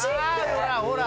ほらほら。